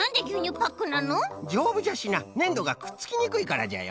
じょうぶじゃしなねんどがくっつきにくいからじゃよ。